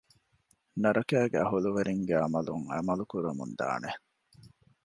ނަރަކައިގެ އަހުލުވެރިންގެ ޢަމަލުން ޢަމަލު ކުރަމުން ދާނެ